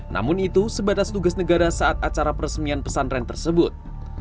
namun itu sebatas tugas negara saat acara peresmian pesantren tersebut